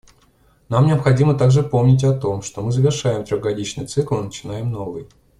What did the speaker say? Нам необходимо также помнить о том, что мы завершаем трехгодичный цикл и начинаем новый.